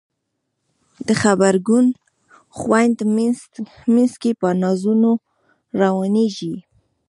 د غبرګو خویندو مینځ کې په نازونو روانیږي